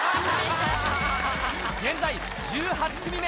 現在１８組目。